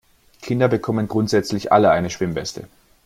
Kinder bekommen grundsätzlich alle eine Schwimmweste.